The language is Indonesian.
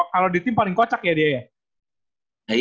kalau di tim paling kocak ya dia ya